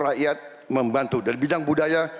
rakyat membantu dari bidang budaya